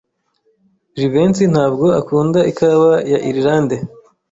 Jivency ntabwo akunda ikawa ya Irlande.